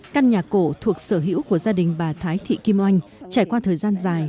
căn nhà cổ thuộc sở hữu của gia đình bà thái thị kim oanh trải qua thời gian dài